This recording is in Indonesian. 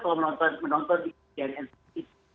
kalau menonton di tni dan tni